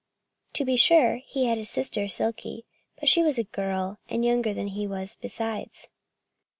To be sure, he had his sister, Silkie. But she was a girl, and younger than he was, besides.